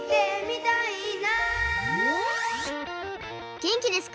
げんきですか？